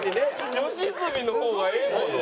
吉住の方がええもの。